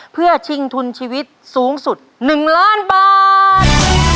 เพื่อชิงทุนชีวิตสูงสุด๑ล้านบาท